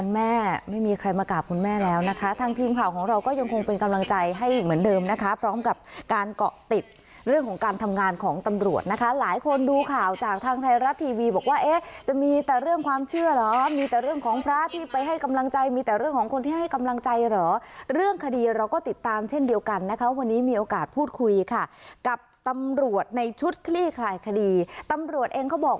วันแม่ไม่มีใครมากราบคุณแม่แล้วนะคะทางทีมข่าวของเราก็ยังคงเป็นกำลังใจให้เหมือนเดิมนะคะทางทีมข่าวของเราก็ยังคงเป็นกำลังใจให้เหมือนเดิมนะคะทางทีมข่าวของเราก็ยังคงเป็นกำลังใจให้เหมือนเดิมนะคะพร้อมกับการเกาะติดเรื่องของการทำงานของตำรวจนะคะพร้อมกับการเกาะติดเรื่องของการทำงานของตำรวจนะคะพร้อมก